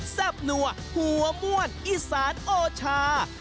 บนัวหัวม่วนอีสานโอชา